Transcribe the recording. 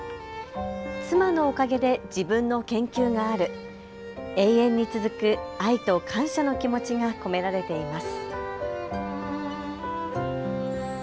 妻のおかげで自分の研究がある、永遠に続く愛と感謝の気持ちが込められています。